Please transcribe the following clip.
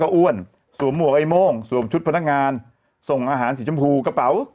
อ้วนสวมหมวกไอ้โม่งสวมชุดพนักงานส่งอาหารสีชมพูกระเป๋า